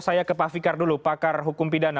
saya ke pak fikar dulu pakar hukum pidana